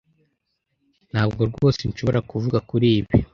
Ntabwo rwose nshobora kuvuga kuri ibi.